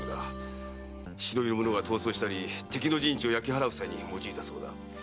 忍びの者が逃走したり敵の陣地を焼き払う際に用いたそうだ。